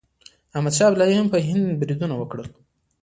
احمد شاه ابدالي هم په هند بریدونه وکړل.